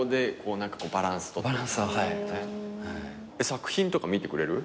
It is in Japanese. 作品とか見てくれる？